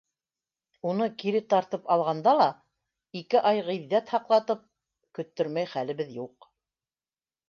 Уны кире тартып алғанда ла, ике ай ғиҙҙәт һаҡлатып, көттөрмәй хәлебеҙ юҡ.